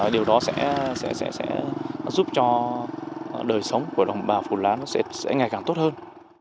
điều đó sẽ giúp cho đời sống của đồng bào phù lá sẽ ngày càng tốt hơn